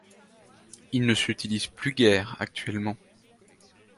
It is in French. Ils ne s’utilisent plus guère actuellement.